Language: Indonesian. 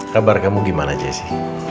kabar kamu gimana jessy